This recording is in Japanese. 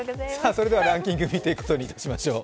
それではランキング見ていくことにいたしましょう。